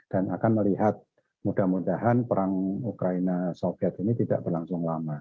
dan akan melihat mudah mudahan perang ukraina soviet ini tidak berlangsung lama